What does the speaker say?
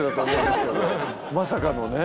まさかのね。